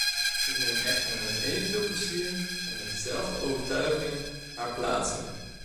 Ik neem echter met evenveel plezier en met dezelfde overtuigingen haar plaats in.